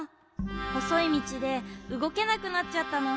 ほそいみちでうごけなくなっちゃったの。